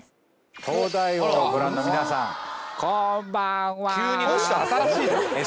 「東大王」をご覧の皆さんこんばんは！